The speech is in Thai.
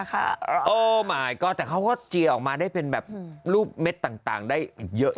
คะใหม่ก่อนแต่เขาสิออกมาได้เป็นแบบลูกเม็ดต่างได้เยอะ